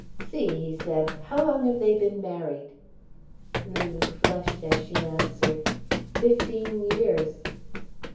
"'See," he said, "how long have they been married?" Lulu flushed as she answered: "Fifteen years."